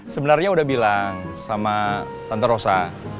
sebenarnya udah bilang sama tante rosa